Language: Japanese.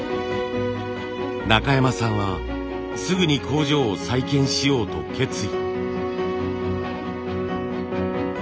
中山さんはすぐに工場を再建しようと決意。